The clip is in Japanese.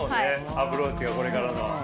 アプローチがこれからの。